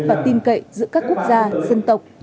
và tin cậy giữa các quốc gia dân tộc